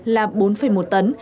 là bốn một tấn